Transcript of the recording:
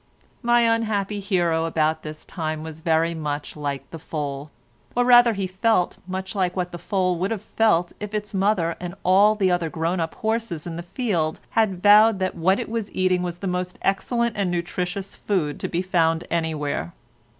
My unhappy hero about this time was very much like the foal, or rather he felt much what the foal would have felt if its mother and all the other grown up horses in the field had vowed that what it was eating was the most excellent and nutritious food to be found anywhere.